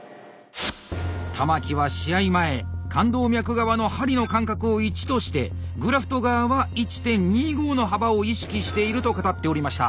玉木は試合前冠動脈側の針の間隔を１としてグラフト側は１．２５の幅を意識していると語っておりました。